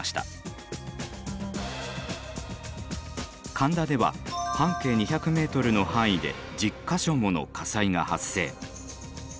神田では半径２００ｍの範囲で１０か所もの火災が発生。